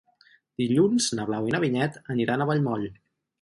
Dilluns na Blau i na Vinyet aniran a Vallmoll.